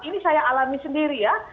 ini saya alami sendiri ya